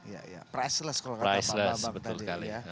ya ya priceless kalau kata pak bambang tadi ya